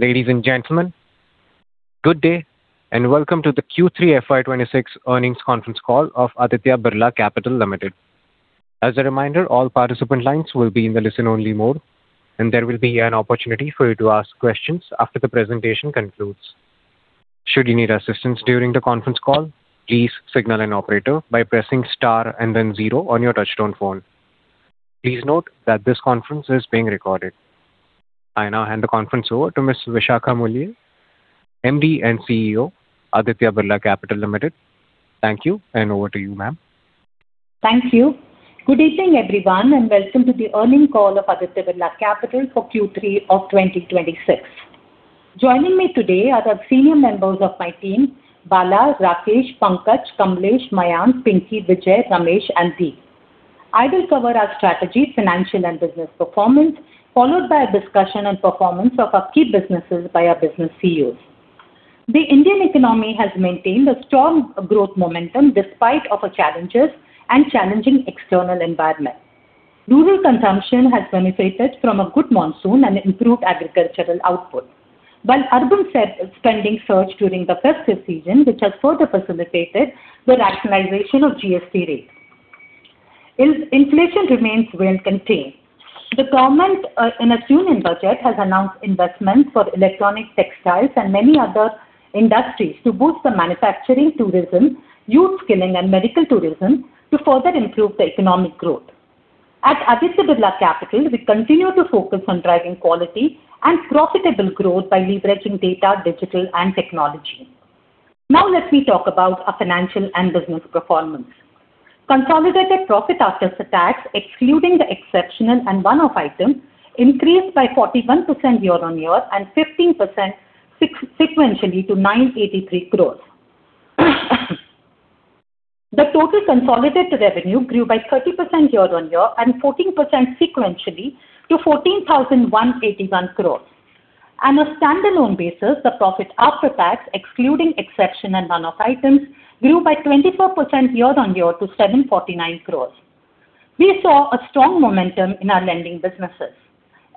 Ladies and gentlemen, good day, and welcome to the Q3 FY 2026 earnings conference call of Aditya Birla Capital Limited. As a reminder, all participant lines will be in the listen-only mode, and there will be an opportunity for you to ask questions after the presentation concludes. Should you need assistance during the conference call, please signal an operator by pressing star and then zero on your touchtone phone. Please note that this conference is being recorded. I now hand the conference over to Ms. Vishakha Mulye, MD and CEO, Aditya Birla Capital Limited. Thank you, and over to you, ma'am. Thank you. Good evening, everyone, and welcome to the earnings call of Aditya Birla Capital for Q3 of 2026. Joining me today are the senior members of my team, Bala, Rakesh, Pankaj, Kamlesh, Mayank, Pinky, Vijay, Ramesh, and Deep. I will cover our strategy, financial and business performance, followed by a discussion on performance of our key businesses by our business CEOs. The Indian economy has maintained a strong growth momentum despite of a challenges and challenging external environment. Rural consumption has benefited from a good monsoon and improved agricultural output, while urban spending surged during the festive season, which has further facilitated the rationalization of GST rates. Inflation remains well contained. The government, in its union budget, has announced investments for electronic textiles and many other industries to boost the manufacturing, tourism, youth skilling, and medical tourism to further improve the economic growth. At Aditya Birla Capital, we continue to focus on driving quality and profitable growth by leveraging data, digital, and technology. Now let me talk about our financial and business performance. Consolidated profit after tax, excluding the exceptional and one-off items, increased by 41% year-on-year and 15% sequentially to 983 crore. The total consolidated revenue grew by 30% year-on-year and 14% sequentially to 14,181 crore. On a standalone basis, the profit after tax, excluding exceptional and one-off items, grew by 24% year-on-year to 749 crore. We saw a strong momentum in our lending businesses.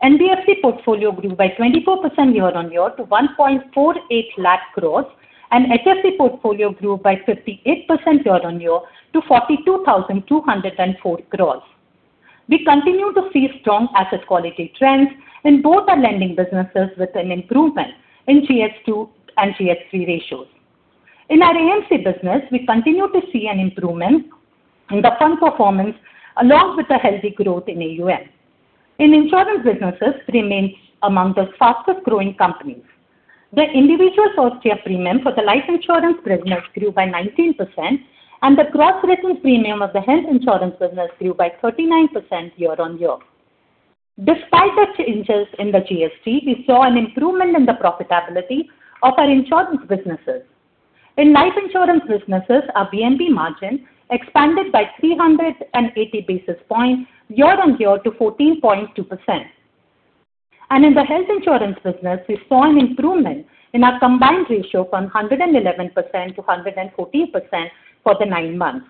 NBFC portfolio grew by 24% year-on-year to 148,000 crore, and HFC portfolio grew by 58% year-on-year to 42,204 crore. We continue to see strong asset quality trends in both our lending businesses with an improvement in GS2 and GS3 ratios. In our AMC business, we continue to see an improvement in the fund performance along with a healthy growth in AUM. In insurance businesses, remains among the fastest growing companies. The individual first year premium for the life insurance business grew by 19%, and the gross written premium of the health insurance business grew by 39% year-on-year. Despite the changes in the GST, we saw an improvement in the profitability of our insurance businesses. In life insurance businesses, our VNB margin expanded by 380 basis points year-on-year to 14.2%. In the health insurance business, we saw an improvement in our combined ratio from 111% to 114% for the nine months.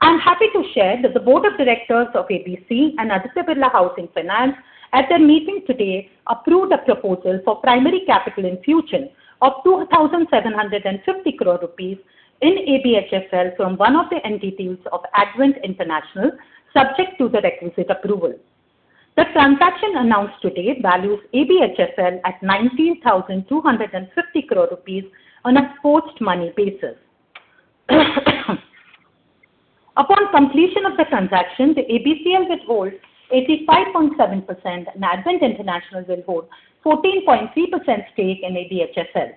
I'm happy to share that the board of directors of ABCL and Aditya Birla Housing Finance, at their meeting today, approved a proposal for primary capital infusion of 2,750 crore rupees in ABHFL from one of the entities of Advent International, subject to the requisite approval. The transaction announced today values ABHFL at 19,250 crore rupees on a post-money basis. Upon completion of the transaction, the ABCL will hold 85.7%, and Advent International will hold 14.3% stake in ABHFL.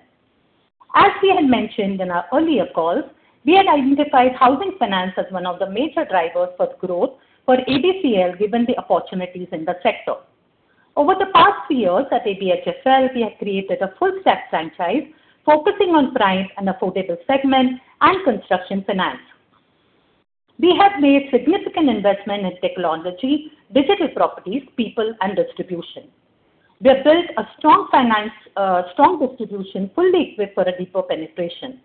As we had mentioned in our earlier call, we had identified housing finance as one of the major drivers for growth for ABCL, given the opportunities in the sector. Over the past three years at ABHFL, we have created a full stack franchise focusing on prime and affordable segment and construction finance. We have made significant investment in technology, digital properties, people, and distribution. We have built a strong finance, strong distribution, fully equipped for a deeper penetration.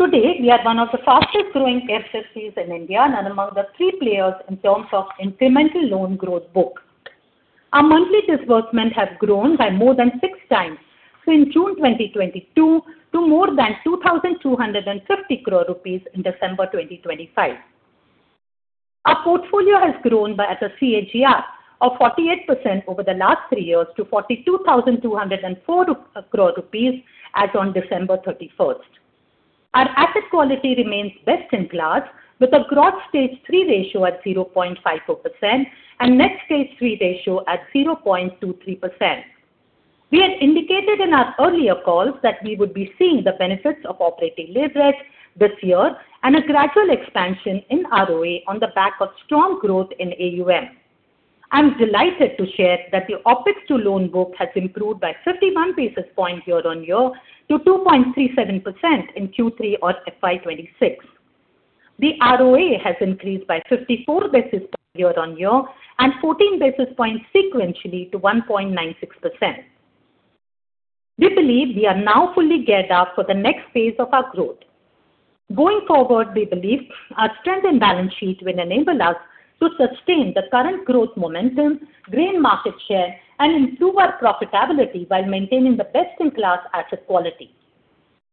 Today, we are one of the fastest growing HFCs in India and among the three players in terms of incremental loan growth book. Our monthly disbursement has grown by more than 6 times since June 2022 to more than 2,250 crore rupees in December 2025. Our portfolio has grown by at a CAGR of 48% over the last three years to 42,204 crore rupees as on 31 December. Our asset quality remains best in class, with a gross stage three ratio at 0.54% and net stage three ratio at 0.23%. We had indicated in our earlier calls that we would be seeing the benefits of operating leverage this year and a gradual expansion in ROA on the back of strong growth in AUM. I'm delighted to share that the OPEX to loan book has improved by 51 basis points year-on-year to 2.37% in Q3 of FY 2026. The ROA has increased by 54 basis points year-on-year and 14 basis points sequentially to 1.96%. We believe we are now fully geared up for the next phase of our growth... Going forward, we believe our strength and balance sheet will enable us to sustain the current growth momentum, gain market share, and improve our profitability while maintaining the best-in-class asset quality.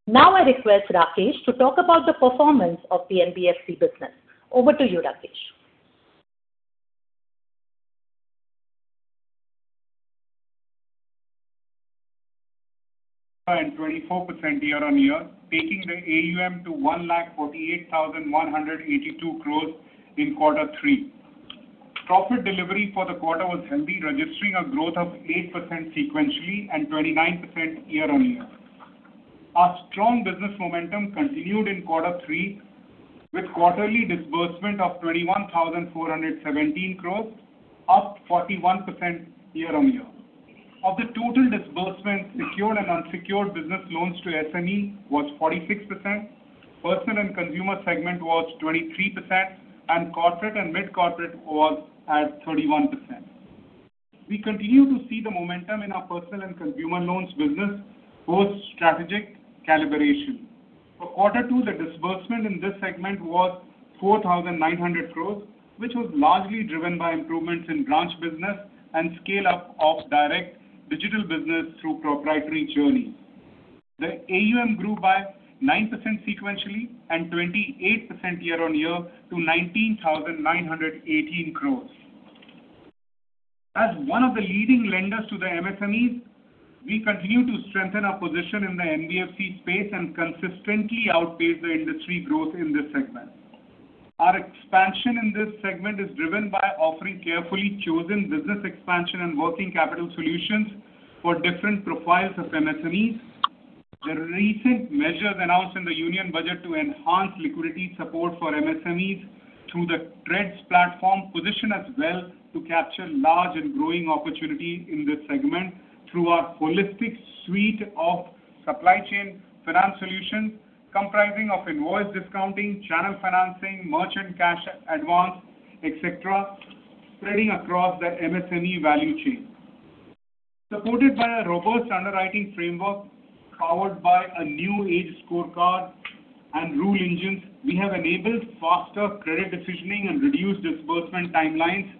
Now, I request Rakesh to talk about the performance of the NBFC business. Over to you, Rakesh. 24% year-on-year, taking the AUM to 148,182 crore in quarter three. Profit delivery for the quarter was healthy, registering a growth of 8% sequentially and 29% year-on-year. Our strong business momentum continued in quarter three, with quarterly disbursement of 21,417 crore, up 41% year-on-year. Of the total disbursement, secured and unsecured business loans to SME was 46%, personal and consumer segment was 23%, and corporate and mid-corporate was at 31%. We continue to see the momentum in our personal and consumer loans business post-strategic calibration. For quarter two, the disbursement in this segment was 4,900 crore, which was largely driven by improvements in branch business and scale-up of direct digital business through proprietary journey. The AUM grew by 9% sequentially and 28% year-on-year to 19,918 crore. As one of the leading lenders to the MSMEs, we continue to strengthen our position in the NBFC space and consistently outpace the industry growth in this segment. Our expansion in this segment is driven by offering carefully chosen business expansion and working capital solutions for different profiles of MSMEs. The recent measures announced in the Union Budget to enhance liquidity support for MSMEs through the TReDS platform position us well to capture large and growing opportunity in this segment through our holistic suite of supply chain finance solutions, comprising of invoice discounting, channel financing, merchant cash advance, et cetera, spreading across the MSME value chain. Supported by a robust underwriting framework, powered by a new age scorecard and rule engines, we have enabled faster credit decisioning and reduced disbursement timelines,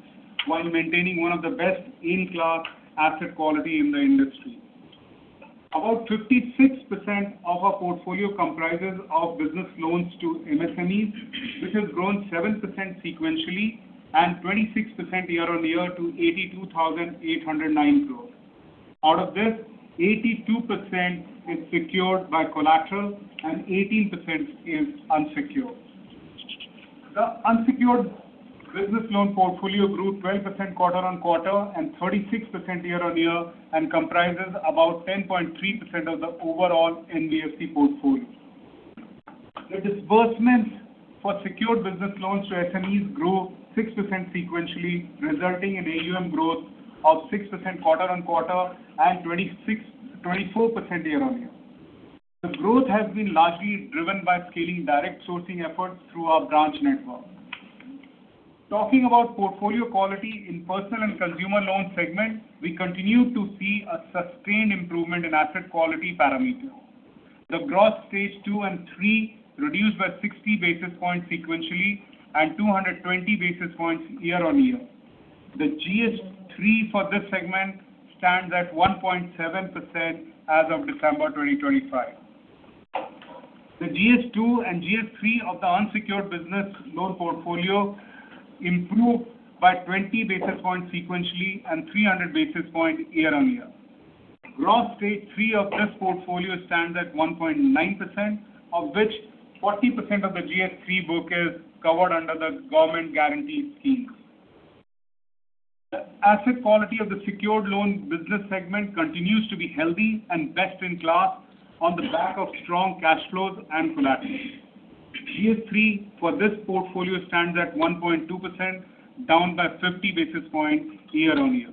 while maintaining one of the best-in-class asset quality in the industry. About 56% of our portfolio comprises of business loans to MSMEs, which has grown 7% sequentially and 26% year-on-year to 82,809 crore. Out of this, 82% is secured by collateral and 18% is unsecured. The unsecured business loan portfolio grew 12% quarter-on-quarter and 36% year-on-year, and comprises about 10.3% of the overall NBFC portfolio. The disbursements for secured business loans to SMEs grew 6% sequentially, resulting in AUM growth of 6% quarter-on-quarter and 24% year-on-year. The growth has been largely driven by scaling direct sourcing efforts through our branch network. Talking about portfolio quality in personal and consumer loan segment, we continue to see a sustained improvement in asset quality parameter. The Gross Stage two and three reduced by 60 basis points sequentially and 220 basis points year-on-year. The GS3 for this segment stands at 1.7% as of December 2025. The GS2 and GS3 of the unsecured business loan portfolio improved by 20 basis points sequentially and 300 basis points year-on-year. Gross Stage three of this portfolio stands at 1.9%, of which 40% of the GS3 book is covered under the government guarantee scheme. The asset quality of the secured loan business segment continues to be healthy and best-in-class on the back of strong cash flows and collaterals. GS3 for this portfolio stands at 1.2%, down by 50 basis points year-on-year.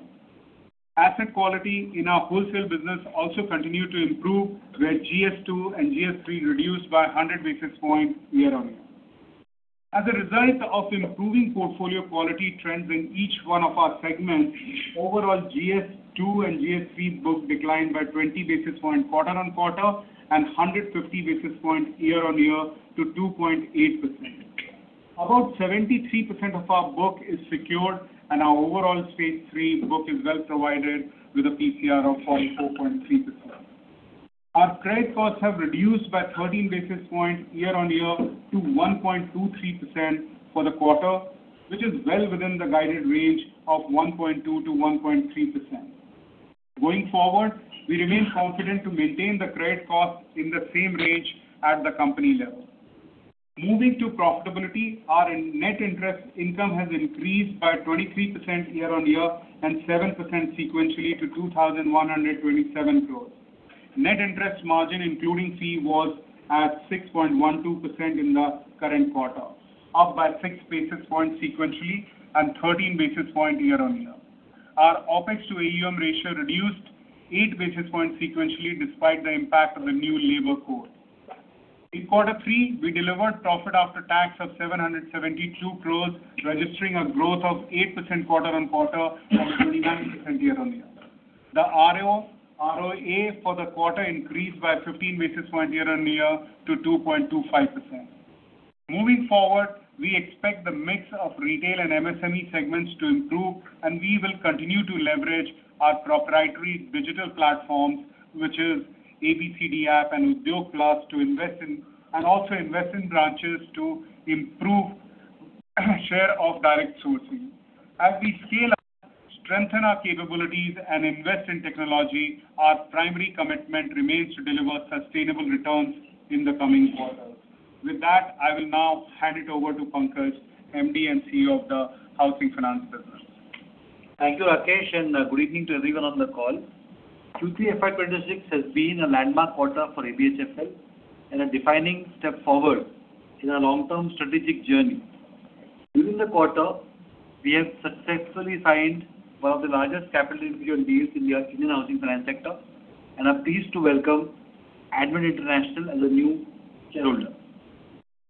Asset quality in our wholesale business also continued to improve, where GS2 and GS3 reduced by 100 basis points year-on-year. As a result of improving portfolio quality trends in each one of our segments, overall GS2 and GS3 book declined by 20 basis points quarter-on-quarter and 150 basis points year-on-year to 2.8%. About 73% of our book is secured, and our overall stage three book is well provided with a PCR of 44.3%. Our credit costs have reduced by 13 basis points year-on-year to 1.23% for the quarter, which is well within the guided range of 1.2%-1.3%. Going forward, we remain confident to maintain the credit costs in the same range at the company level. Moving to profitability, our net interest income has increased by 23% year-over-year and 7% sequentially to 2,127 crore. Net interest margin, including fee, was at 6.12% in the current quarter, up by 6 basis points sequentially and 13 basis points year-over-year. Our OpEx to AUM ratio reduced 8 basis points sequentially, despite the impact of the new labor code. In quarter three, we delivered profit after tax of 772 crore, registering a growth of 8% quarter-over-quarter and 29% year-over-year. The ROA for the quarter increased by 15 basis points year-over-year to 2.25%. Moving forward, we expect the mix of retail and MSME segments to improve, and we will continue to leverage our proprietary digital platforms, which is ABCD app and Udyog Plus, to invest in, and also invest in branches to improve share of direct sourcing. As we scale up, strengthen our capabilities, and invest in technology, our primary commitment remains to deliver sustainable returns in the coming quarters. With that, I will now hand it over to Pankaj, MD and CEO of the Housing Finance Business. Thank you, Rakesh, and good evening to everyone on the call. Q3 FY26 has been a landmark quarter for ABHFL and a defining step forward in our long-term strategic journey. During the quarter, we have successfully signed one of the largest capital infusion deals in the Indian housing finance sector, and are pleased to welcome Advent International as a new shareholder.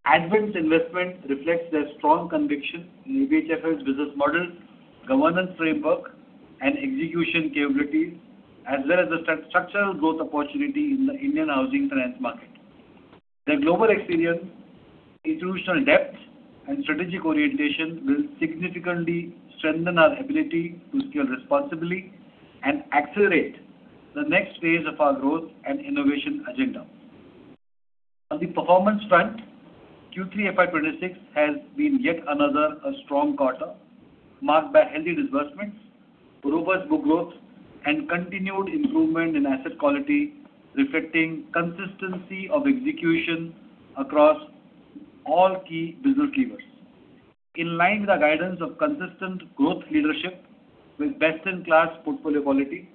Advent's investment reflects their strong conviction in ABHFL's business model, governance framework, and execution capabilities, as well as the structural growth opportunity in the Indian housing finance market. Their global experience, institutional depth, and strategic orientation will significantly strengthen our ability to scale responsibly and accelerate the next phase of our growth and innovation agenda. On the performance front, Q3 FY 2026 has been yet another strong quarter, marked by healthy disbursements, robust book growth, and continued improvement in asset quality, reflecting consistency of execution across all key business levers. In line with our guidance of consistent growth leadership with best-in-class portfolio quality,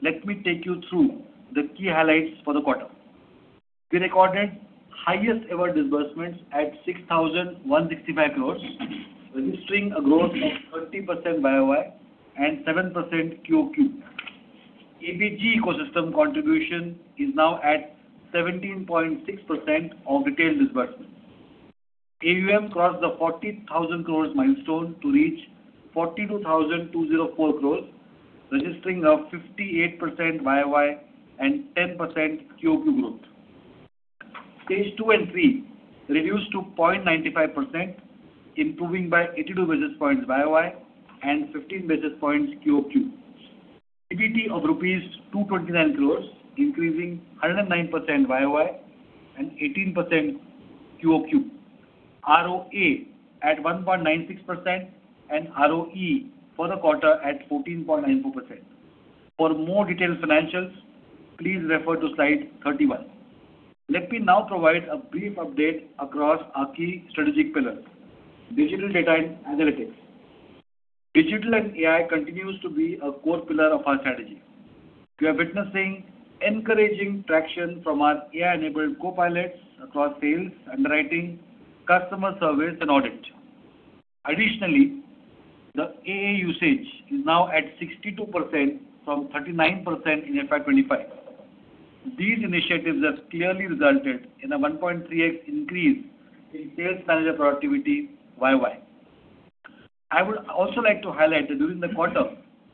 let me take you through the key highlights for the quarter. We recorded highest ever disbursements at 6,165 crore, registering a growth of 30% YOY and 7% QOQ. ABG ecosystem contribution is now at 17.6% of retail disbursement. AUM crossed the 40,000 crore milestone to reach 42,204 crore, registering a 58% YOY and 10% QOQ growth. Stage two and three reduced to 0.95%, improving by 82 basis points YOY and 15 basis points QOQ. PBT of INR 229 crore, increasing 109% YOY and 18% QOQ. ROA at 1.96%, and ROE for the quarter at 14.92%. For more detailed financials, please refer to slide 31. Let me now provide a brief update across our key strategic pillars. Digital data and analytics. Digital and AI continues to be a core pillar of our strategy. We are witnessing encouraging traction from our AI-enabled copilots across sales, underwriting, customer service, and audit. Additionally, the ABCD usage is now at 62% from 39% in FY 2025. These initiatives have clearly resulted in a 1.3x increase in sales manager productivity YOY. I would also like to highlight that during the quarter,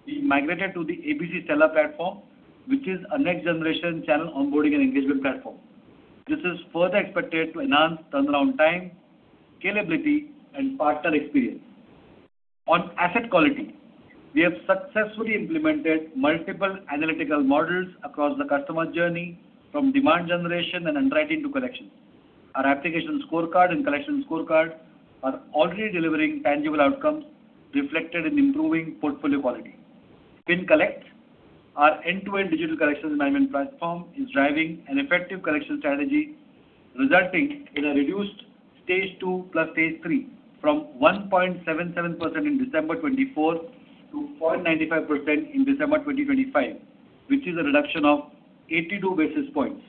we migrated to the ABCD Seller platform, which is a next-generation channel onboarding and engagement platform. This is further expected to enhance turnaround time, scalability, and partner experience. On asset quality, we have successfully implemented multiple analytical models across the customer journey, from demand generation and underwriting to collection. Our application scorecard and collection scorecard are already delivering tangible outcomes reflected in improving portfolio quality. FinCollect, our end-to-end digital collections management platform, is driving an effective collection strategy, resulting in a reduced stage two stage three from 1.77% in December 2024 to 0.95% in December 2025, which is a reduction of 82 basis points.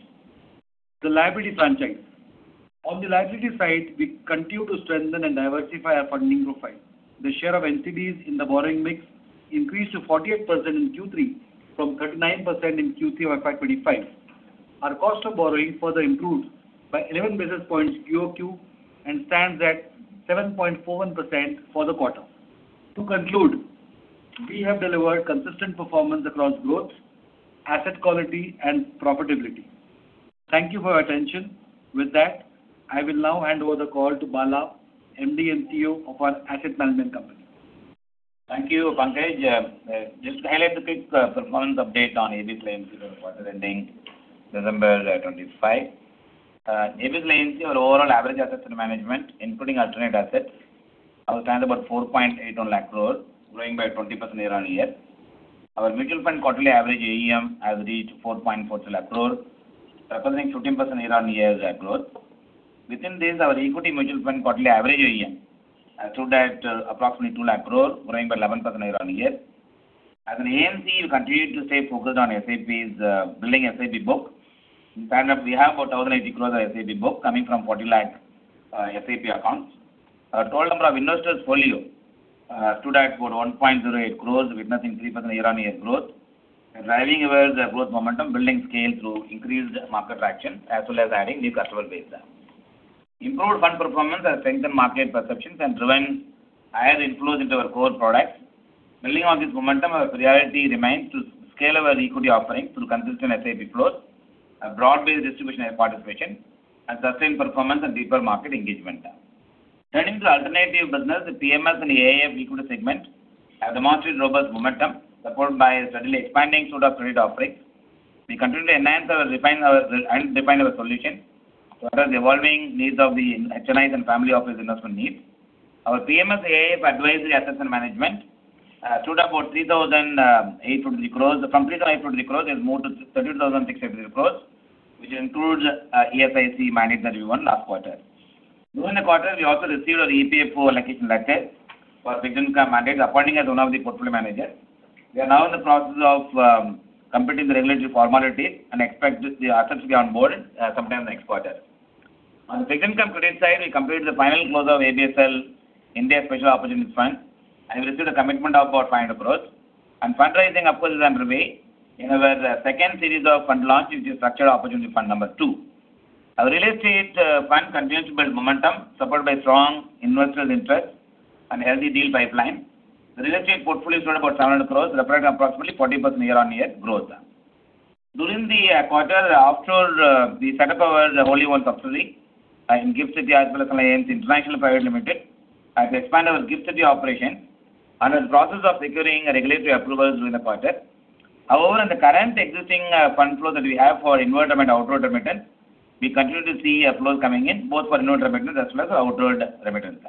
The liability franchise. On the liability side, we continue to strengthen and diversify our funding profile. The share of NCDs in the borrowing mix increased to 48% in Q3 from 39% in Q3 of FY 2025. Our cost of borrowing further improved by 11 basis points QOQ and stands at 7.41% for the quarter. To conclude, we have delivered consistent performance across growth, asset quality, and profitability. Thank you for your attention. With that, I will now hand over the call to Bala, MD and CEO of our asset management company. Thank you, Pankaj. Just to highlight the quick performance update on ABSL AMC for the quarter ending December 2025. ABSL AMC, our overall average asset and management, including alternate assets, stands about 481,000 crore, growing by 20% year-on-year. Our mutual fund quarterly average AUM has reached 442,000 crore, representing 15% year-on-year growth. Within this, our equity mutual fund quarterly average AUM stood at approximately 200,000 crore, growing by 11% year-on-year. As an AMC, we continue to stay focused on SIPs, building SIP book. In fact, we have about 1,080 crore SIP book, coming from 40 lakh SIP accounts. Our total number of investors' folios stood at about 1.08 crore, witnessing 3% year-on-year growth, driving our growth momentum, building scale through increased market traction, as well as adding new customer base. Improved fund performance has strengthened market perceptions and driven higher inflows into our core products. Building on this momentum, our priority remains to scale our equity offerings through consistent SIP flows, a broad-based distribution and participation, and sustain performance and deeper market engagement. Turning to alternatives business, the PMS and AIF equity segment have demonstrated robust momentum, supported by a steadily expanding suite of credit offerings. We continue to enhance, refine, and define our solution to address the evolving needs of the HNIs and family office investment needs. Our PMS, AIF advisory assets under management stood at about INR 3,800 crore. From 3,800 crores, there's more to 30,600 crores, which includes ESIC mandate that we won last quarter. During the quarter, we also received our EPFO allocation letter for fixed income mandate, appointing as one of the portfolio manager. We are now in the process of completing the regulatory formality and expect the assets to be on board sometime next quarter. On the fixed income credit side, we completed the final close of ABSL India Special Opportunities Fund, and we received a commitment of about 500 crores. And fundraising, of course, is underway in our second series of fund launch, which is Structured Opportunity Fund number two. Our real estate fund continues to build momentum, supported by strong investor interest and healthy deal pipeline. The real estate portfolio is about 700 crores, representing approximately 40% year-on-year growth. During the quarter, after the set up of our wholly-owned subsidiary in GIFT City Aditya Birla Sun Life AMC International (IFSC) Limited, as we expand our GIFT City operation under the process of securing regulatory approvals during the quarter. However, in the current existing fund flow that we have for inward remit and outward remittance, we continue to see uploads coming in, both for inward remittance as well as outward remittance.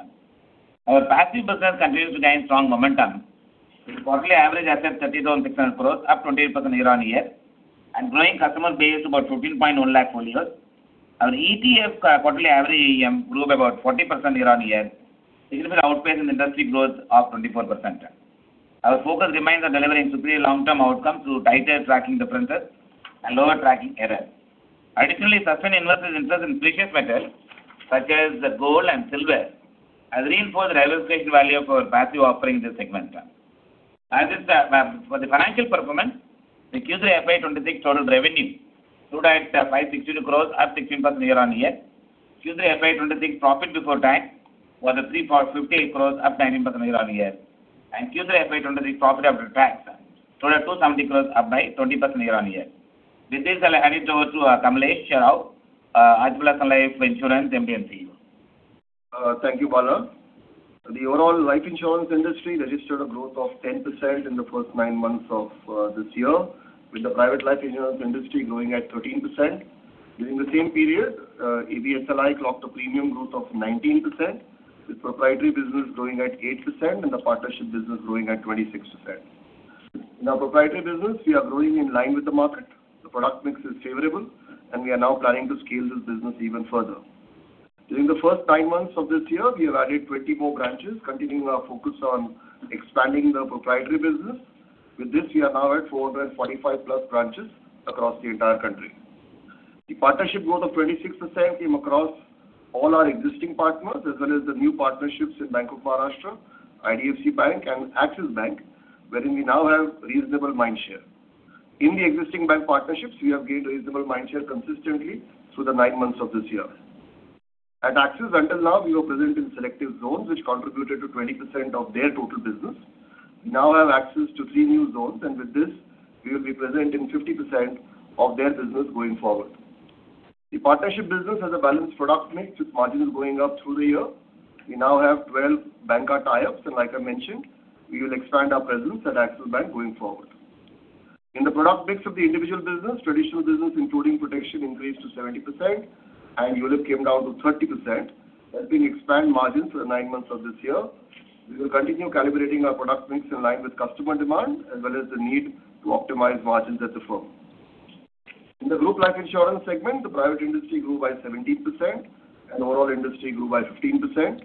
Our passive business continues to gain strong momentum. With quarterly average assets 32,600 crore, up 28% year-on-year, and growing customer base, about 14.1 lakh folios. Our ETF quarterly average grew by about 40% year-on-year, significant outpace in the industry growth of 24%. Our focus remains on delivering superior long-term outcomes through tighter tracking differences and lower tracking error. Additionally, sustained investor interest in precious metals, such as the gold and silver, has reinforced the diversification value of our passive offering in this segment. As is, for the financial performance, the Q3 FY 2026 total revenue stood at INR 562 crore, up 16% year-on-year. Q3 FY 2026 profit before tax was 3.58 crore, up 19% year-on-year. And Q3 FY 2023 profit after tax, total 270 crore, up by 20% year-on-year. With this, I'll hand it over to Kamlesh Rao, Aditya Birla Sun Life Insurance, MD&CEO. Thank you, Bala. The overall life insurance industry registered a growth of 10% in the first nine months of this year, with the private life insurance industry growing at 13%. During the same period, ABSLI clocked a premium growth of 19%, with proprietary business growing at 8% and the partnership business growing at 26%. In our proprietary business, we are growing in line with the market. The product mix is favorable, and we are now planning to scale this business even further. During the first nine months of this year, we have added 24 branches, continuing our focus on expanding the proprietary business. With this, we are now at +445 branches across the entire country. The partnership growth of 26% came across all our existing partners, as well as the new partnerships with Bank of Maharashtra, IDFC Bank, and Axis Bank, wherein we now have reasonable mindshare. In the existing bank partnerships, we have gained reasonable mindshare consistently through the nine months of this year. At Axis, until now, we were present in selective zones, which contributed to 20% of their total business. We now have access to three new zones, and with this, we will be present in 50% of their business going forward. The partnership business has a balanced product mix, with margins going up through the year. We now have 12 banca tie-ups, and like I mentioned, we will expand our presence at Axis Bank going forward. In the product mix of the individual business, traditional business, including protection, increased to 70%, and ULIP came down to 30%, helping expand margins for the nine months of this year. We will continue calibrating our product mix in line with customer demand, as well as the need to optimize margins at the firm. In the group life insurance segment, the private industry grew by 17% and overall industry grew by 15%.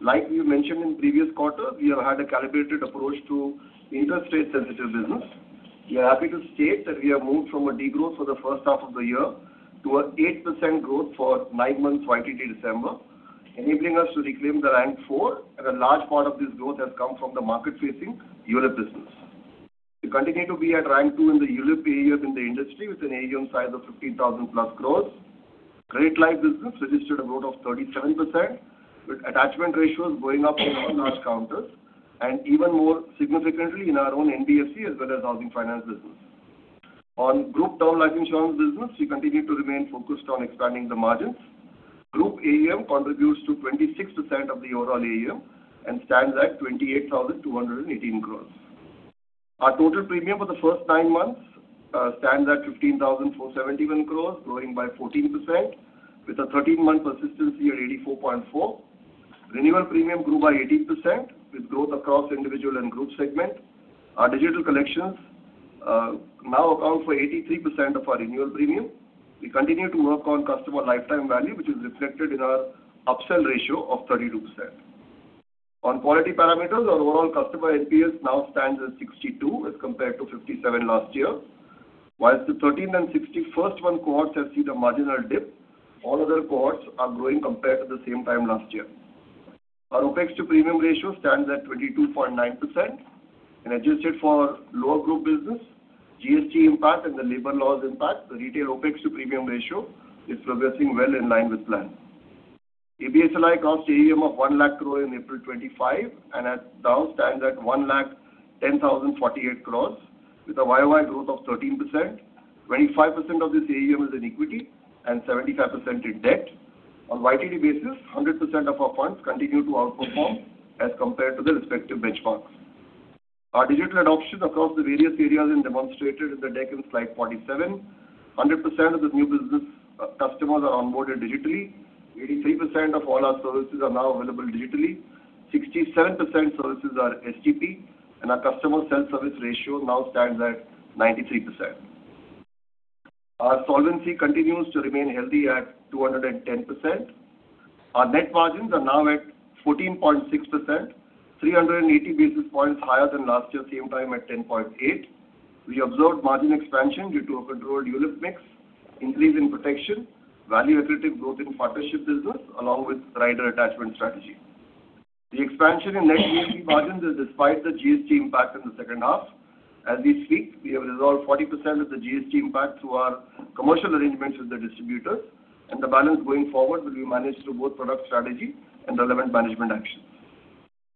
Like we mentioned in previous quarter, we have had a calibrated approach to interest rate-sensitive business. We are happy to state that we have moved from a degrowth for the first half of the year to an 8% growth for nine months, 2024 to December, enabling us to reclaim the rank four, and a large part of this growth has come from the market-facing ULIP business. We continue to be at rank two in the ULIP AUM in the industry, with an AUM size of +15,000 crore. Credit Life business registered a growth of 37%, with attachment ratios going up in our large counters, and even more significantly in our own NBFC, as well as housing finance business. On group term life insurance business, we continue to remain focused on expanding the margins. Group AUM contributes to 26% of the overall AUM and stands at 28,218 crore. Our total premium for the first nine months stands at 15,471 crore, growing by 14%, with a 13-month persistency at 84.4%. Renewal premium grew by 18%, with growth across individual and group segment. Our digital collections now account for 83% of our renewal premium. We continue to work on customer lifetime value, which is reflected in our upsell ratio of 32%. On quality parameters, our overall customer NPS now stands at 62, as compared to 57 last year. While the 13 and 61 cohorts have seen a marginal dip, all other cohorts are growing compared to the same time last year. Our OPEX to premium ratio stands at 22.9%, and adjusted for lower group business, GST impact, and the labor laws impact, the retail OPEX to premium ratio is progressing well in line with plan. ABSLI crossed AUM of 100,000 crore in April 2025, and now stands at 110,048 crore, with a YOY growth of 13%. 25% of this AUM is in equity and 75% in debt. On YTD basis, 100% of our funds continue to outperform as compared to the respective benchmarks. Our digital adoption across the various areas is demonstrated in the deck in slide 47. 100% of the new business customers are onboarded digitally. 83% of all our services are now available digitally. 67% services are STP, and our customer self-service ratio now stands at 93%. Our solvency continues to remain healthy at 210%. Our net margins are now at 14.6%, 380 basis points higher than last year same time at 10.8. We observed margin expansion due to a controlled ULIP mix, increase in protection, value-additive growth in partnership business, along with rider attachment strategy. The expansion in net VNB margins is despite the GST impact in the second half. As we speak, we have resolved 40% of the GST impact through our commercial arrangements with the distributors, and the balance going forward will be managed through both product strategy and relevant management action.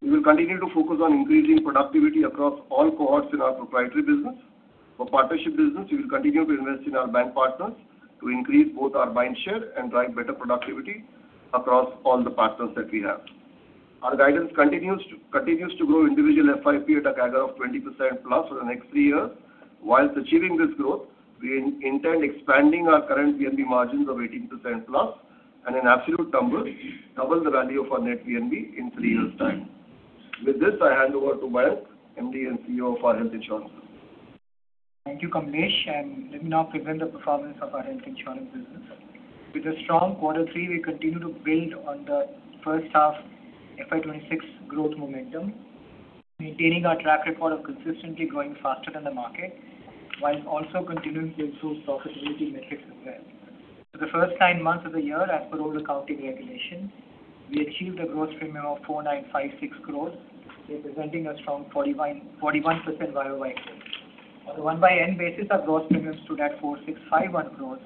We will continue to focus on increasing productivity across all cohorts in our proprietary business. For partnership business, we will continue to invest in our bank partners to increase both our mind share and drive better productivity across all the partners that we have. Our guidance continues to grow individual FYP at a CAGR of 20%+ for the next three years. While achieving this growth, we intend expanding our current VNB margins of +18%, and in absolute numbers, double the value of our net VNB in three years' time. With this, I hand over to Mayank, MD and CEO of our health insurance. Thank you, Kamlesh, and let me now present the performance of our health insurance business. With a strong quarter three, we continue to build on the first half FY 2026 growth momentum, maintaining our track record of consistently growing faster than the market, while also continuing to improve profitability metrics as well. For the first nine months of the year, as per old accounting regulation, we achieved a gross premium of 4,956 crore, representing a strong forty-one percent YOY growth. On a one by N basis, our gross premiums stood at 4,651 crore,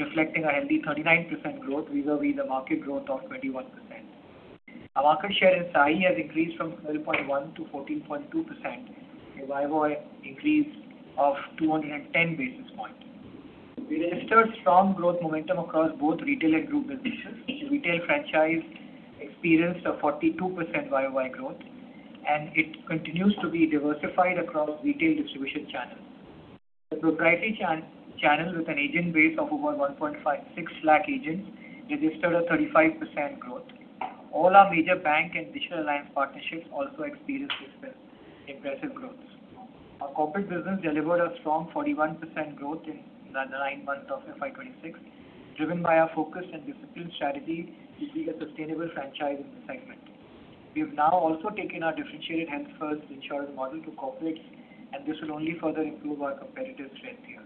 reflecting a healthy thirty-nine percent growth, vis-a-vis the market growth of twenty-one percent. Our market share in CI has increased from 12.1% to 14.2%, a YOY increase of 210 basis points. We registered strong growth momentum across both retail and group businesses. Retail franchise experienced a 42% YOY growth, and it continues to be diversified across retail distribution channels. The proprietary channel, with an agent base of over 1.56 lakh agents, registered a 35% growth. All our major bank and digital alliance partnerships also experienced this impressive growth. Our corporate business delivered a strong 41% growth in the nine months of FY 2026, driven by our focus and disciplined strategy to build a sustainable franchise in the segment. We have now also taken our differentiated Health First insurance model to corporate, and this will only further improve our competitive strength here.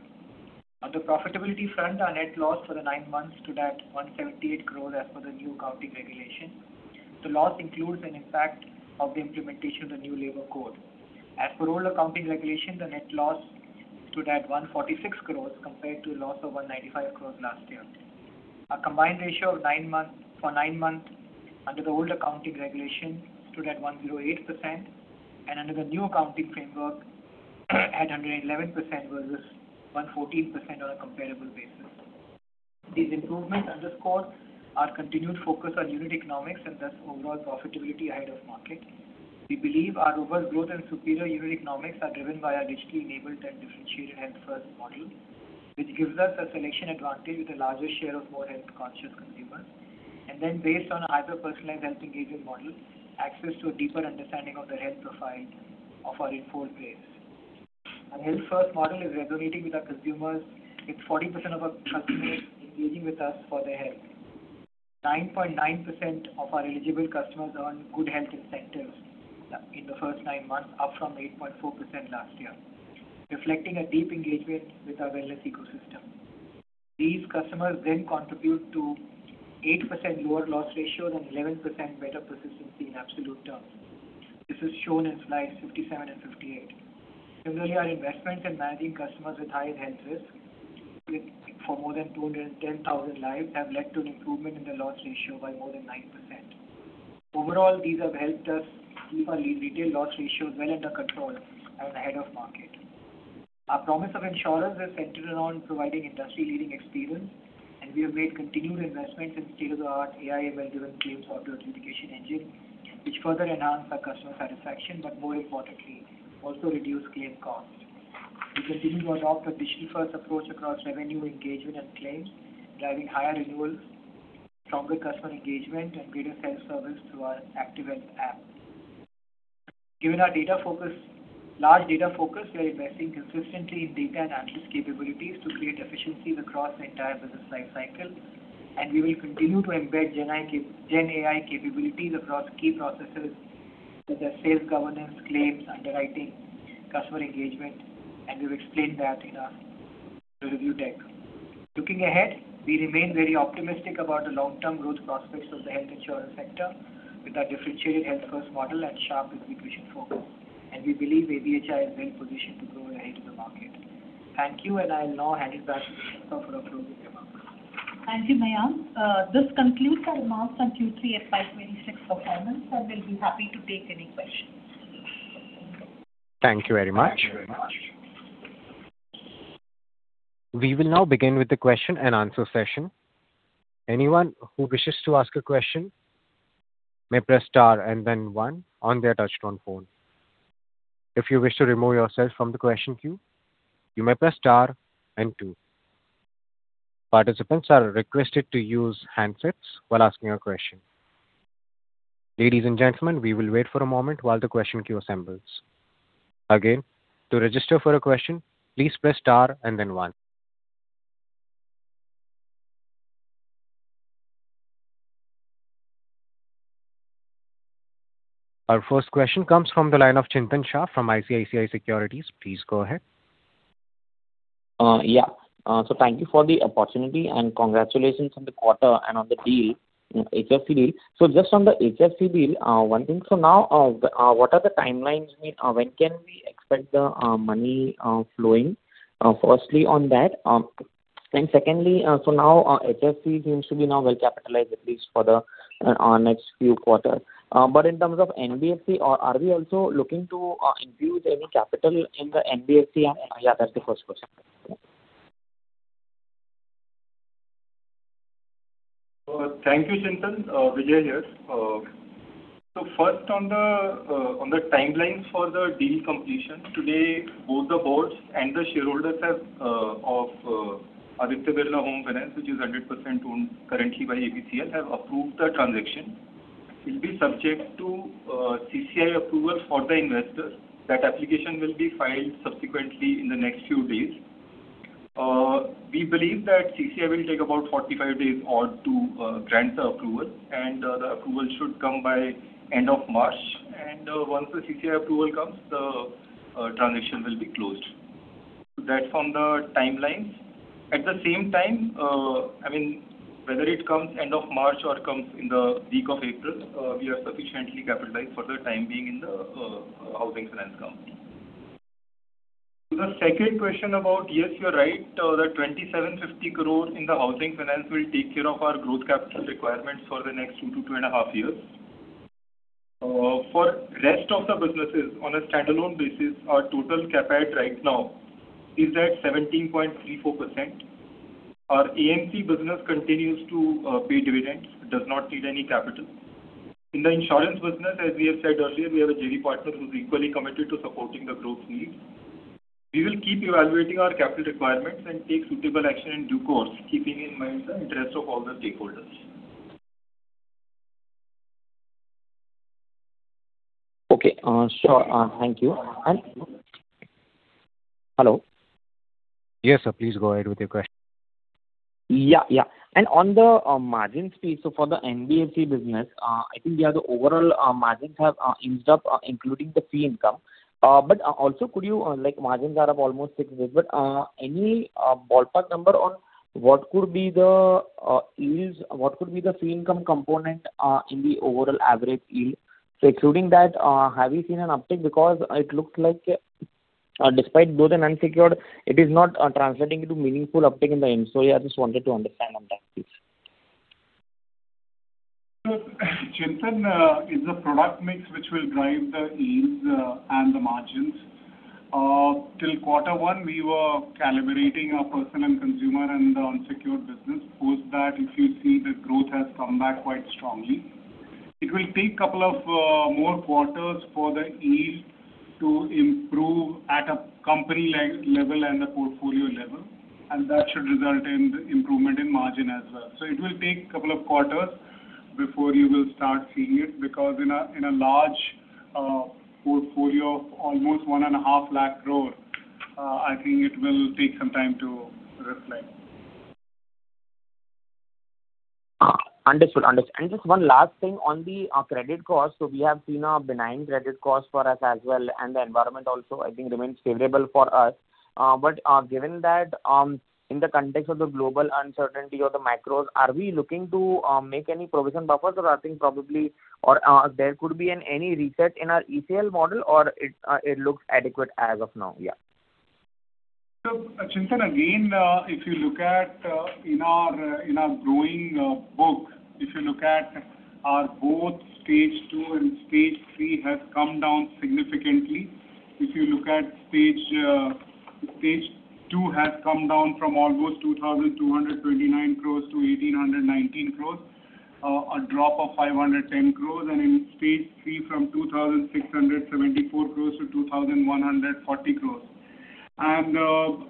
On the profitability front, our net loss for the nine months stood at 178 crore as per the new accounting regulation. The loss includes an impact of the implementation of the new labor code. As per old accounting regulation, the net loss stood at 146 crore compared to a loss of 195 crore last year. Our combined ratio for nine months under the old accounting regulation stood at 108%, and under the new accounting framework at 111% versus 114% on a comparable basis. These improvements underscore our continued focus on unit economics and thus overall profitability ahead of market. We believe our overall growth and superior unit economics are driven by our digitally enabled and differentiated Health First model, which gives us a selection advantage with a larger share of more health-conscious consumers. And then, based on a hyper-personalized health engagement model, access to a deeper understanding of the health profile of our informed players. Our Health First model is resonating with our consumers, with 40% of our customers engaging with us for their health. 9.9% of our eligible customers are on good health incentives, in the first nine months, up from 8.4% last year, reflecting a deep engagement with our wellness ecosystem. These customers then contribute to 8% lower loss ratio and 11% better persistency in absolute terms. This is shown in slides 57 and 58. Similarly, our investment in managing customers with high health risk, with for more than 210,000 lives, have led to an improvement in the loss ratio by more than 9%. Overall, these have helped us keep our retail loss ratio well under control and ahead of market. Our promise of insurance is centered on providing industry-leading experience, and we have made continued investments in state-of-the-art AI-enabled claim fraud authentication engine, which further enhance our customer satisfaction, but more importantly, also reduce claim costs. We continue to adopt a digital-first approach across revenue, engagement, and claims, driving higher renewals, stronger customer engagement, and greater self-service through our Active Health app. Given our data focus, large data focus, we are investing consistently in data and analytics capabilities to create efficiencies across the entire business life cycle, and we will continue to embed GenAI capabilities across key processes, such as sales, governance, claims, underwriting, customer engagement, and we've explained that in our review deck. Looking ahead, we remain very optimistic about the long-term growth prospects of the health insurance sector with our differentiated Health First model and sharp execution focus, and we believe ABHI is well positioned to grow ahead of the market. Thank you, and I'll now hand it back to for closing remarks. Thank you, Mayank. This concludes our remarks on Q3 FY 2026 performance, and we'll be happy to take any questions. Thank you very much. We will now begin with the question and answer session. Anyone who wishes to ask a question may press star and then one on their touchtone phone. If you wish to remove yourself from the question queue, you may press star and two. Participants are requested to use handsets while asking a question. Ladies and gentlemen, we will wait for a moment while the question queue assembles. Again, to register for a question, please press star and then one. Our first question comes from the line of Chintan Shah from ICICI Securities. Please go ahead. Yeah. So thank you for the opportunity and congratulations on the quarter and on the deal, HFC deal. So just on the HFC deal, one thing, so now, the, what are the timelines mean? When can we expect the, money, flowing? Firstly, on that, and secondly, so now, HFC seems to be now well capitalized, at least for the, next few quarters. But in terms of NBFC, are we also looking to, infuse any capital in the NBFC? And, yeah, that's the first question. Thank you, Chintan. Vijay here. So first on the timelines for the deal completion. Today, both the boards and the shareholders of Aditya Birla Housing Finance, which is 100% owned currently by ABCL, have approved the transaction. It will be subject to CCI approval for the investors. That application will be filed subsequently in the next few days. We believe that CCI will take about 45 days or so to grant the approval, and the approval should come by end of March. Once the CCI approval comes, the transaction will be closed. That from the timelines. At the same time, I mean, whether it comes end of March or comes in the week of April, we are sufficiently capitalized for the time being in the housing finance company. To the second question about, yes, you're right, the 2,750 crore in the housing finance will take care of our growth capital requirements for the next two to two and half years. For rest of the businesses, on a standalone basis, our total CapEx right now is at 17.34%. Our AMC business continues to pay dividends, it does not need any capital. In the insurance business, as we have said earlier, we have a JV partner who's equally committed to supporting the growth needs. We will keep evaluating our capital requirements and take suitable action in due course, keeping in mind the interests of all the stakeholders. Okay. Sure. Thank you. And. Hello? Yes, sir. Please go ahead with your question. Yeah, yeah. On the margin space, so for the NBFC business, I think there the overall margins have inched up, including the fee income. Also, could you, like, margins are up almost six weeks, but any ballpark number on what could be the yields? What could be the fee income component in the overall average yield? So excluding that, have you seen an uptick? Because it looks like, despite growth in unsecured, it is not translating into meaningful uptick in the end. So, yeah, I just wanted to understand on that, please. Chintan, it's the product mix which will drive the yields, and the margins. Till quarter one, we were calibrating our personal and consumer and the unsecured business. Post that, if you see the growth has come back quite strongly. It will take couple of more quarters for the yield to improve at a company level and the portfolio level, and that should result in the improvement in margin as well. So it will take couple of quarters before you will start seeing it, because in a large portfolio of almost 150,000 crore, I think it will take some time to reflect. Understood. And just one last thing on the credit cost. So we have seen a benign credit cost for us as well, and the environment also, I think, remains favorable for us. But given that, in the context of the global uncertainty or the macros, are we looking to make any provision buffers? Or I think probably. Or there could be any reset in our ECL model, or it looks adequate as of now? Yeah. So, Chintan, again, if you look at, in our, in our growing, book, if you look at our both stage two and stage three have come down significantly. If you look at stage, stage two has come down from almost 2,229 crore to 1,819 crore, a drop of 510 crore, and in stage three from 2,674 crore to 2,140 crore. And,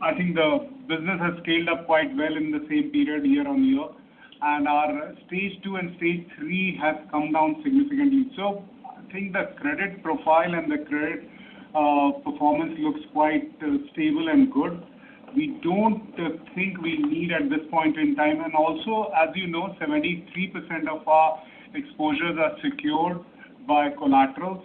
I think the business has scaled up quite well in the same period year on year, and our stage two and stage three have come down significantly. So I think the credit profile and the credit, performance looks quite, stable and good. We don't think we need at this point in time, and also, as you know, 73% of our exposures are secured by collaterals,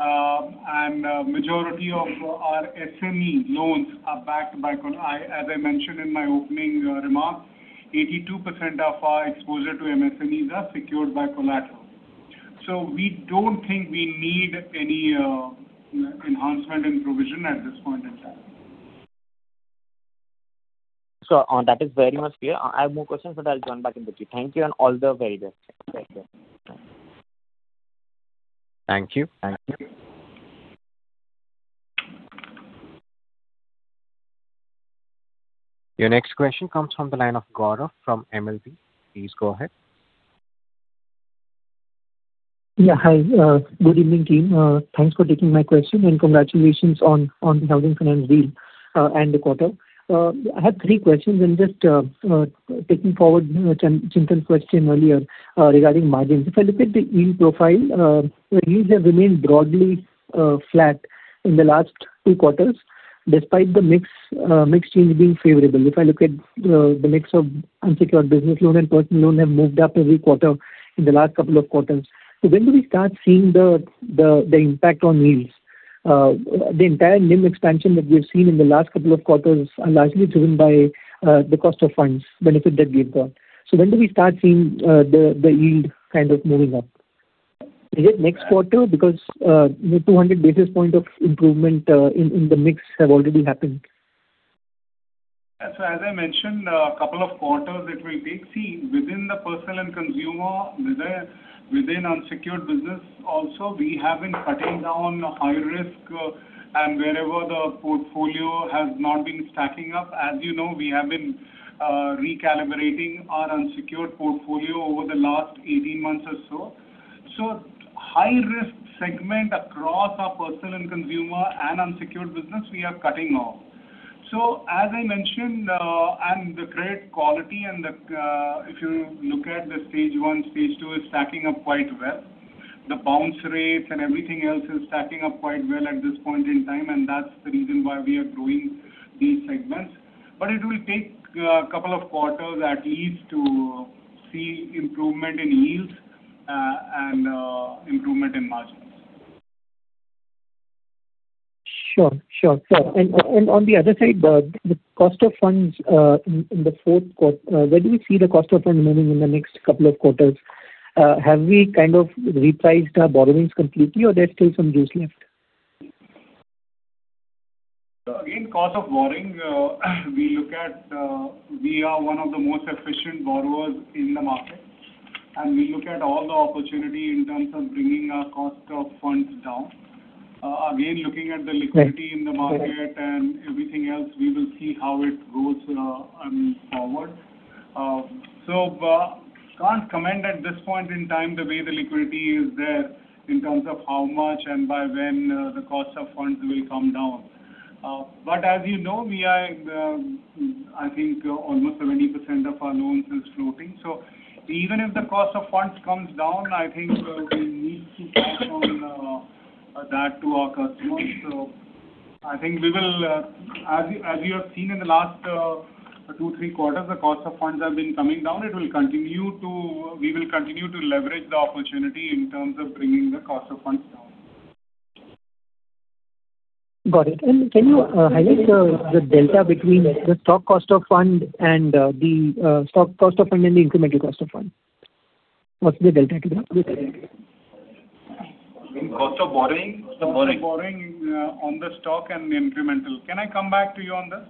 and majority of our SME loans are backed by collateral. I, as I mentioned in my opening remarks, 82% of our exposure to MSMEs are secured by collateral. So we don't think we need any enhancement and provision at this point in time. So, that is very much clear. I have more questions, but I'll join back in with you. Thank you, and all the very best. Thank you. Thank you. Thank you. Your next question comes from the line of Gaurav from MLP. Please go ahead. Yeah, hi. Good evening, team. Thanks for taking my question, and congratulations on the housing finance deal and the quarter. I have three questions and just taking forward Chintan's question earlier regarding margins. If I look at the yield profile, the yields have remained broadly flat in the last two quarters, despite the mix change being favorable. If I look at the mix of unsecured business loan and personal loan have moved up every quarter in the last couple of quarters. So when do we start seeing the impact on yields? The entire NIM expansion that we've seen in the last couple of quarters are largely driven by the cost of funds benefit that gave them. So when do we start seeing the yield kind of moving up? Is it next quarter? Because, the 200 basis point of improvement in the mix have already happened. Yeah. So as I mentioned, a couple of quarters it will take. See, within the personal and consumer, within unsecured business also, we have been cutting down high risk, and wherever the portfolio has not been stacking up. As you know, we have been recalibrating our unsecured portfolio over the last 18 months or so. So high risk segment across our personal and consumer and unsecured business, we are cutting off. So as I mentioned, and the credit quality and the, if you look at the stage one, stage two is stacking up quite well. The bounce rates and everything else is stacking up quite well at this point in time, and that's the reason why we are growing these segments. But it will take a couple of quarters at least to see improvement in yields, and improvement in margins. Sure, sure. So, and on the other side, the cost of funds in the fourth quarter, where do we see the cost of funds moving in the next couple of quarters? Have we kind of repriced our borrowings completely or there's still some juice left? So again, cost of borrowing, we look at, we are one of the most efficient borrowers in the market, and we look at all the opportunity in terms of bringing our cost of funds down. Again, looking at the liquidity- Right. In the market and everything else, we will see how it goes forward. So, can't comment at this point in time, the way the liquidity is there, in terms of how much and by when, the cost of funds will come down. But as you know, we are, I think almost 70% of our loans is floating. So even if the cost of funds comes down, I think, we need to pass on that to our customers. So I think we will, as you have seen in the last two, three quarters, the cost of funds have been coming down. It will continue to. We will continue to leverage the opportunity in terms of bringing the cost of funds down. Got it. Can you highlight the delta between the stock cost of fund and the stock cost of fund and the incremental cost of fund? What's the delta here? In cost of borrowing? Cost of borrowing. Cost of borrowing, on the stock and the incremental. Can I come back to you on that?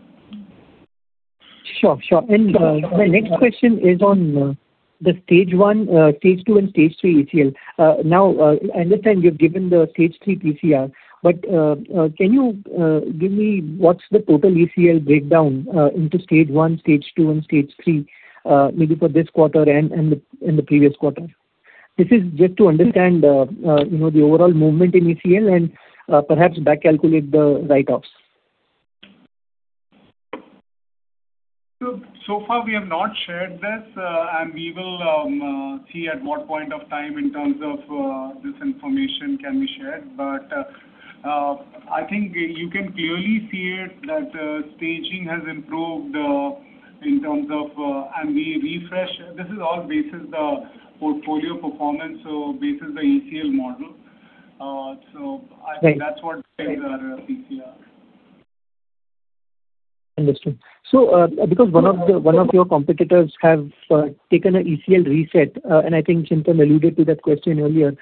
Sure, sure. Sure. My next question is on the stage one, stage two and stage three ECL. Now, I understand you've given the stage three TCR, but can you give me what's the total ECL breakdown into stage one, stage two, and stage three, maybe for this quarter and the previous quarter? This is just to understand, you know, the overall movement in ECL and perhaps back calculate the write-offs. So, so far we have not shared this, and we will see at what point of time in terms of this information can be shared. But, I think you can clearly see it, that staging has improved in terms of, and we refresh. This is all based on the portfolio performance, so based on the ECL model. So I- Right. Think that's what sets our TCR. Understood. So, because one of your competitors have taken a ECL reset, and I think Chintan alluded to that question earlier.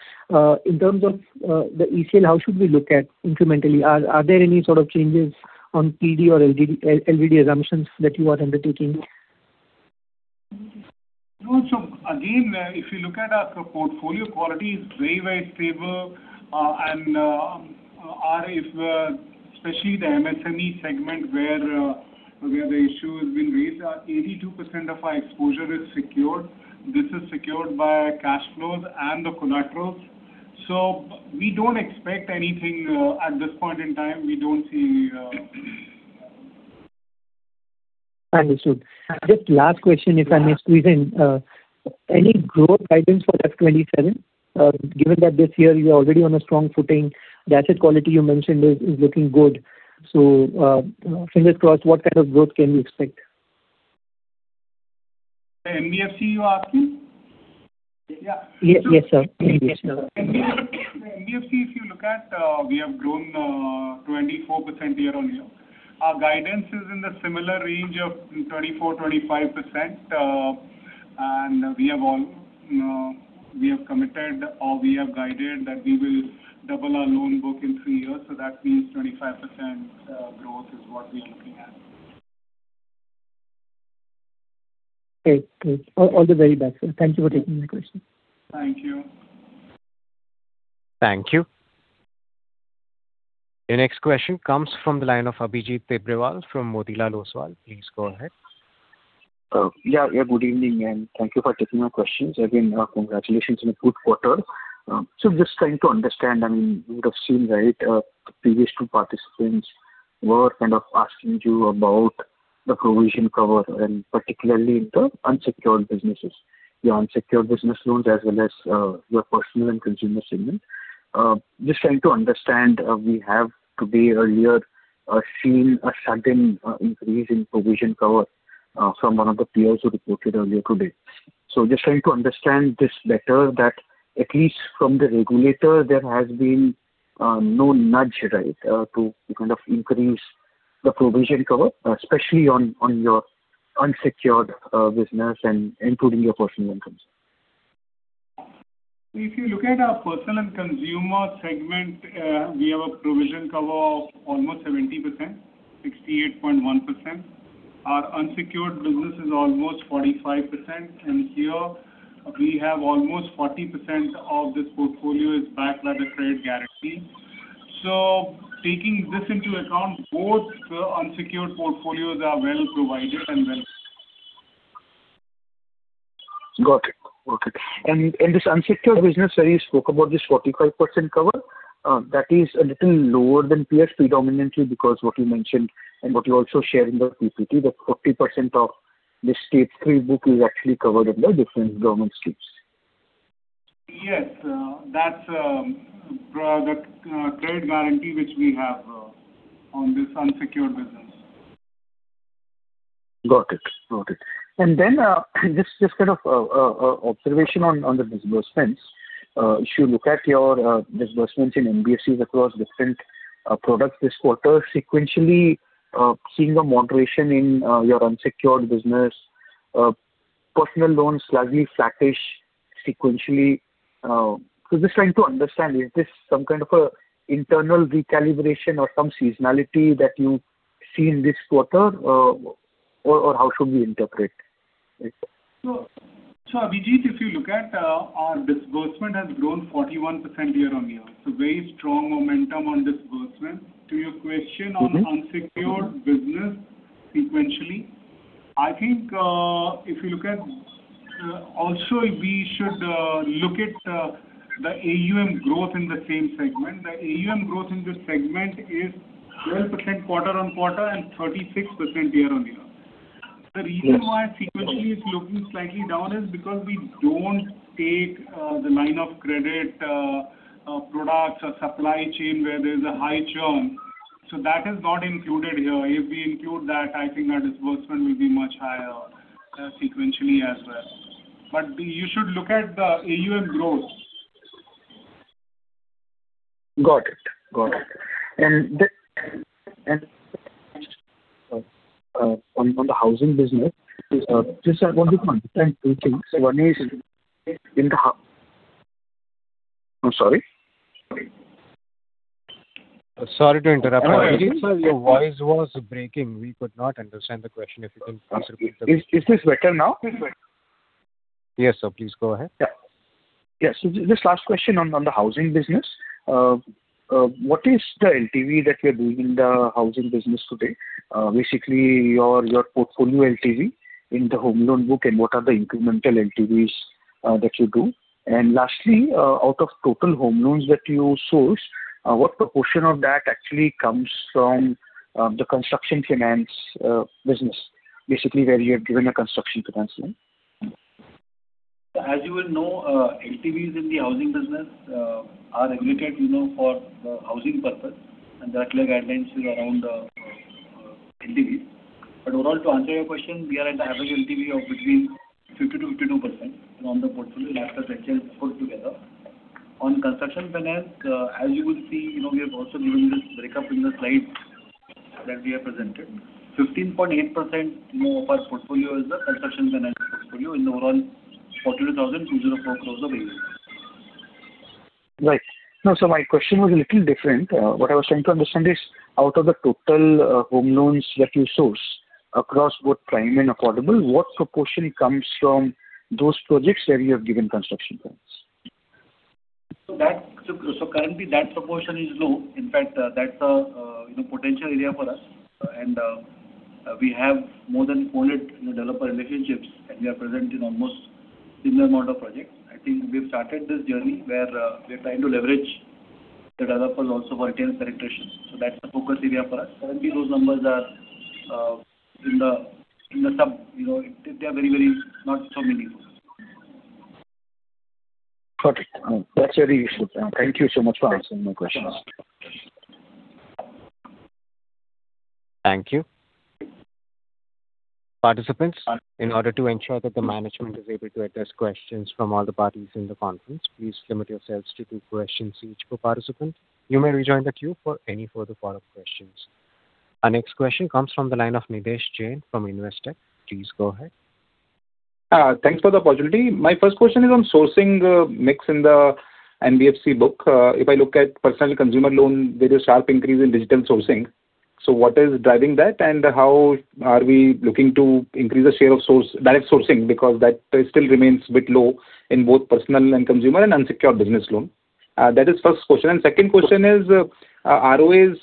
In terms of the ECL, how should we look at incrementally? Are there any sort of changes on PD or LGD assumptions that you are undertaking? No. So again, if you look at our portfolio quality is very, very stable. If especially the MSME segment where the issue has been raised, 82% of our exposure is secured. This is secured by cash flows and the collaterals. So we don't expect anything at this point in time. We don't see... Understood. Just last question, if I may squeeze in. Any growth guidance for FY 27? Given that this year you are already on a strong footing, the asset quality you mentioned is looking good. So, fingers crossed, what kind of growth can we expect? The NBFC you are asking? Yeah. Yes, yes, sir. NBFC, if you look at, we have grown, 24% year-on-year. Our guidance is in the similar range of 24%-25%. And we have all, we have committed or we have guided that we will double our loan book in three years, so that means 25% growth is what we are looking at. Great. Great. All, all the very best, sir. Thank you for taking my question. Thank you. Thank you. The next question comes from the line of Abhijit Tibrewal from Motilal Oswal. Please go ahead. Yeah, yeah, good evening, and thank you for taking my questions. Again, congratulations on a good quarter. So just trying to understand, I mean, you would have seen, right, the previous two participants were kind of asking you about the provision cover, and particularly in the unsecured businesses, your unsecured business loans, as well as your personal and consumer segment. Just trying to understand, we have today earlier seen a sudden increase in provision cover from one of the peers who reported earlier today. So just trying to understand this better that at least from the regulator, there has been no nudge, right, to kind of increase the provision cover, especially on, on your unsecured business and including your personal incomes. If you look at our personal and consumer segment, we have a provision cover of almost 70%, 68.1%. Our unsecured business is almost 45%, and here we have almost 40% of this portfolio is backed by the trade guarantee. So taking this into account, both the unsecured portfolios are well provided and well... Got it. Got it. And this unsecured business that you spoke about, this 45% cover, that is a little lower than peers predominantly because what you mentioned and what you also share in the PPT, that 40% of the state trade book is actually covered in the different government schemes. Yes. That's the credit guarantee which we have on this unsecured business. Got it. Got it. And then, just kind of observation on the disbursements. If you look at your disbursements in NBFCs across different products this quarter, sequentially, seeing a moderation in your unsecured business, personal loans slightly flattish sequentially. So just trying to understand, is this some kind of a internal recalibration or some seasonality that you see in this quarter, or how should we interpret? So, Abhijit, if you look at our disbursement has grown 41% year-on-year, so very strong momentum on disbursement. To your question- Mm-hmm. on unsecured business sequentially, I think, if you look at. Also we should look at the AUM growth in the same segment. The AUM growth in this segment is 12% quarter-over-quarter and 36% year-over-year. Yes. The reason why sequentially it's looking slightly down is because we don't take the line of credit products or supply chain where there's a high churn. So that is not included here. If we include that, I think our disbursement will be much higher sequentially as well. But you should look at the AUM growth. Got it. Got it. And the, and, on, on the housing business, just I want to confirm two things. One is in the... I'm sorry? Sorry to interrupt. Abhijit, sir, your voice was breaking. We could not understand the question. If you can please repeat the question. Is this better now? Yes, sir. Please go ahead. Yeah. Yes, so just last question on the housing business. What is the LTV that you are doing in the housing business today? Basically your portfolio LTV in the home loan book, and what are the incremental LTVs that you do? And lastly, out of total home loans that you source, what proportion of that actually comes from the construction finance business, basically where you have given a construction finance loan? As you will know, LTVs in the housing business are regulated, you know, for the housing purpose, and the clear guidelines is around LTV. But overall, to answer your question, we are at the average LTV of between 50%-52% on the portfolio, that's essential put together. On construction finance, as you will see, you know, we have also given this breakup in the slide that we have presented. 15.8%, you know, of our portfolio is the construction finance portfolio in the overall INR 42,200 crore of AUM. Right. No, so my question was a little different. What I was trying to understand is, out of the total, home loans that you source across both prime and affordable, what proportion comes from those projects where you have given construction loans? So that currently that proportion is low. In fact, that's a, you know, potential area for us, and we have more than 400 new developer relationships, and we are present in almost similar amount of projects. I think we've started this journey where we are trying to leverage the developers also for internal penetration. So that's the focus area for us. Currently, those numbers are in the sub, you know, they are very, very not so many. Got it. That's very... Thank you so much for answering my questions. Thank you. Participants, in order to ensure that the management is able to address questions from all the parties in the conference, please limit yourselves to two questions each per participant. You may rejoin the queue for any further follow-up questions. Our next question comes from the line of Nidhesh Jain from Investec. Please go ahead. Thanks for the opportunity. My first question is on sourcing, mix in the NBFC book. If I look at personal consumer loan, there's a sharp increase in digital sourcing. So what is driving that? And how are we looking to increase the share of source, direct sourcing? Because that still remains a bit low in both personal and consumer and unsecured business loan. That is first question. And second question is, ROIs,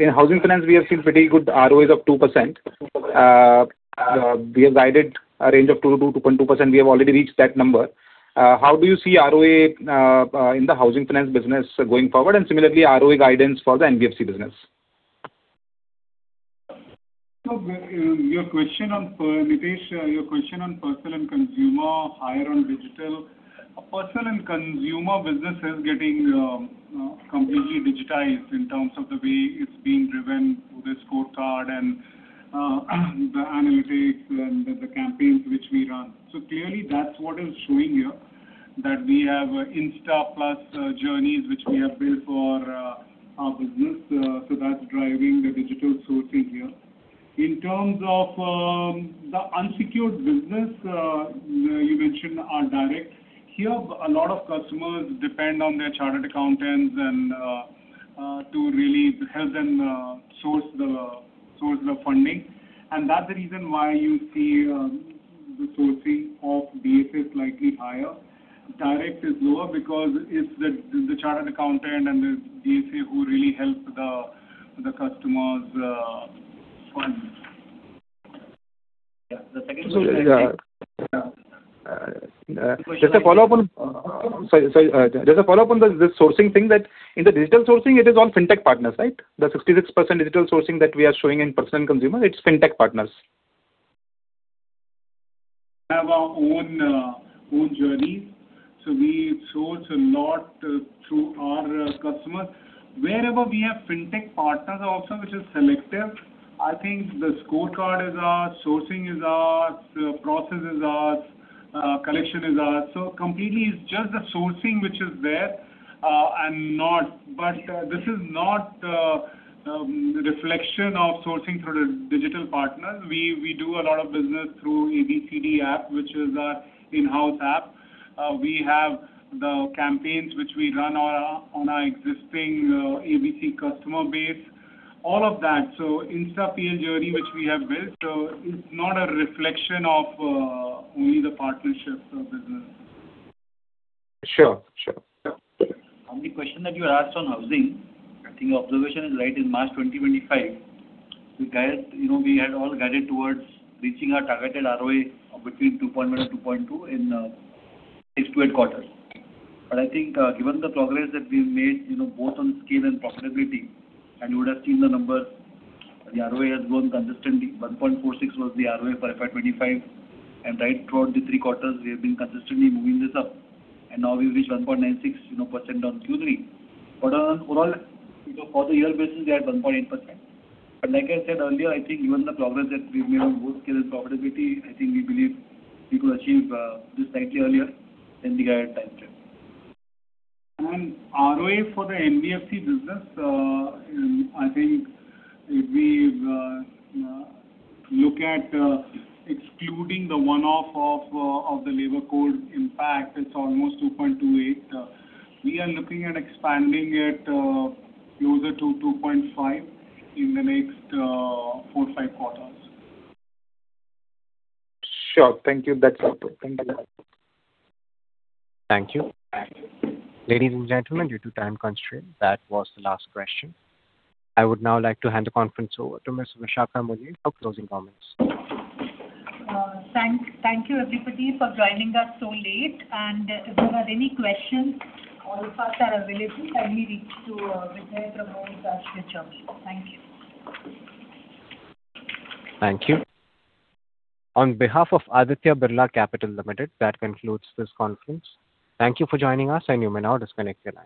in housing finance, we have seen pretty good ROIs of 2%. We have guided a range of 2%-2.2%. We have already reached that number. How do you see ROA, in the housing finance business going forward, and similarly, ROE guidance for the NBFC business? So, your question on Nitesh, your question on personal and consumer, higher on digital. Personal and consumer business is getting completely digitized in terms of the way it's being driven, the scorecard and the analytics and the campaigns which we run. So clearly, that's what is showing here, that we have InstaPlus journeys which we have built for our business. So that's driving the digital sourcing here. In terms of the unsecured business, you mentioned our direct. Here, a lot of customers depend on their chartered accountants and to really help them source the funding. And that's the reason why you see the sourcing of DSAs slightly higher. Direct is lower because it's the chartered accountant and the DSA who really helps the customers fund. Yeah. The second question- Yeah. Just a follow-up on the, the sourcing thing that in the digital sourcing, it is all fintech partners, right? The 66% digital sourcing that we are showing in personal and consumer, it's fintech partners. Have our own own journeys, so we source a lot through our customers. Wherever we have fintech partners also, which is selective, I think the scorecard is ours, sourcing is ours, the process is ours, collection is ours. So completely, it's just the sourcing which is there, and not... But, this is not a reflection of sourcing through the digital partners. We do a lot of business through ABCD app, which is our in-house app. We have the campaigns which we run on our existing ABCD customer base, all of that. So InstaPlus journey, which we have built, is not a reflection of only the partnerships of business. Sure. Sure. Sure. On the question that you asked on housing, I think observation is right. In March 2025, we guide, you know, we had all guided towards reaching our targeted ROA between 2.1 and 2.2 in, six to eight quarters. But I think, given the progress that we've made, you know, both on scale and profitability, and you would have seen the numbers, the ROA has grown consistently. 1.46 was the ROA for FY 2025, and right throughout the three quarters, we have been consistently moving this up, and now we've reached 1.96, you know, % on Q3. But on overall, you know, for the year basis, we are at 1.8%. But like I said earlier, I think given the progress that we've made on both scale and profitability, I think we believe we could achieve this slightly earlier than the guided time frame. ROA for the NBFC business, I think if we look at excluding the one-off of the labor code impact, it's almost 2.28. We are looking at expanding it closer to 2.5 in the next four to five quarters. Sure. Thank you. That's all. Thank you. Thank you. Ladies and gentlemen, due to time constraint, that was the last question. I would now like to hand the conference over to Ms. Vishakha Mulye for closing comments. Thank you, everybody, for joining us so late. If you have any questions, all of us are available. Kindly reach to Vijay, Pramod, Ashish or me. Thank you. Thank you. On behalf of Aditya Birla Capital Limited, that concludes this conference. Thank you for joining us, and you may now disconnect your lines.